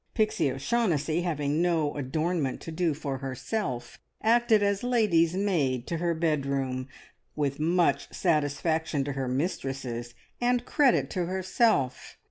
Pixie O'Shaughnessy, having no adornment to do for herself, acted as lady's maid to her bedroom, with much satisfaction to her mistresses, and credit to herself.